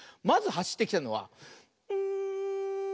まずはしってきたのはん。